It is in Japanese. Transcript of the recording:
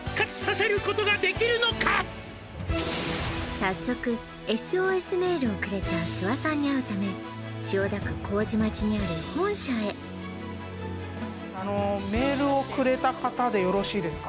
早速ＳＯＳメールをくれた諏訪さんに会うため千代田区麹町にある本社へあのメールをくれた方でよろしいですか？